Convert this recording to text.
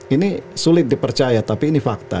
ini sulit dipercaya tapi ini fakta